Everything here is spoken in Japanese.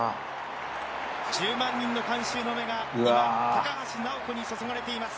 １０万人の観衆の目が高橋尚子に注がれています。